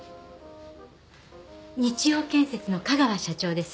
日央建設の香川社長です